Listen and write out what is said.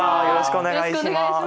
よろしくお願いします。